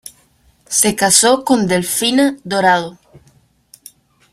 Se casó con Delfina Dorado.